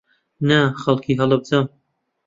نا، خەڵکی هەڵەبجەم.